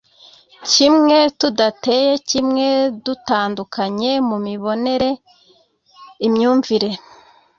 kimwe tudateye kimwe dutandukanye mu mibonere imyumvire